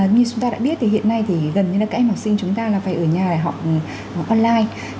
như chúng ta đã biết thì hiện nay thì gần như là các em học sinh chúng ta là phải ở nhà để học online